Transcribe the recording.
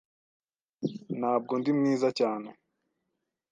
Ntabwo ndi mwiza cyane.